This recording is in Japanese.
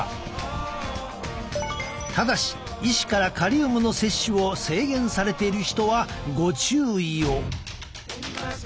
ただし医師からカリウムの摂取を制限されている人はご注意を。